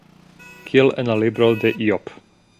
Kiel en la libro de Ijob.